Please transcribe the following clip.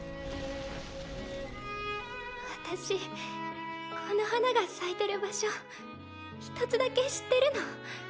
私この花が咲いてる場所一つだけ知ってるの。